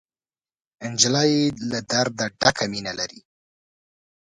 نجلۍ له درده ډکه مینه لري.